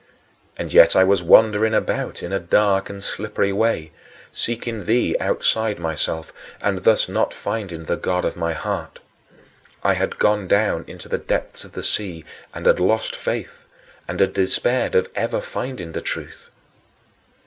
And yet I was wandering about in a dark and slippery way, seeking thee outside myself and thus not finding the God of my heart. I had gone down into the depths of the sea and had lost faith, and had despaired of ever finding the truth.